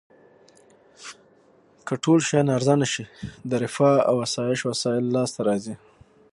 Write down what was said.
که ټول شیان ارزانه شي د رفاه او اسایش وسایل لاس ته راځي.